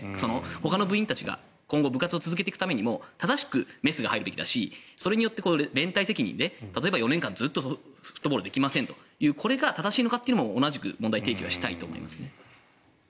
ほかの部員たちが今後部活を続けていくためにも正しくメスが入るべきだしそれによって連帯責任で４年間ずっとフットボールができないというこれも正しいのかは同じく問題提起はしたいと思います。